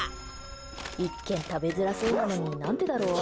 一見、食べづらそうなのに何でだろう。